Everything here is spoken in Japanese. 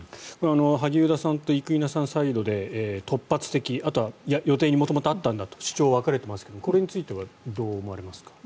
萩生田さんと生稲さんサイドで突発的、あとは予定に元々あったんだと主張が分かれていますがこれについてはどう思われますか？